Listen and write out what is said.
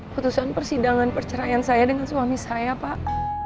putusan persidangan perceraian saya dengan suami saya pak